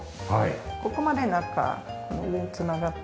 ここまで中上繋がって。